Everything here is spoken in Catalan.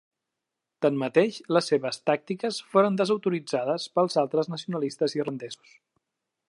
Tanmateix, les seves tàctiques foren desautoritzades pels altres nacionalistes irlandesos.